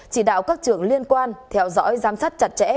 chỉ đạo các trường liên quan theo dõi giám sát chặt chẽ